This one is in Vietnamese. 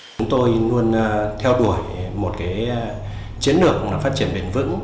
chúng tôi luôn theo đuổi một chiến lược phát triển bền vững